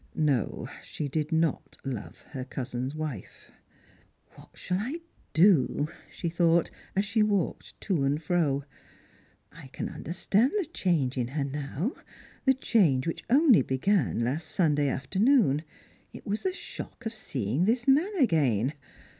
No, she did not love her cousin's wife. "What shall I do ?" she thought, as she walked to and fro ;" I can understand the change in her now — the change which only began last Sunday afternoon. It was the shock of seeing this man again.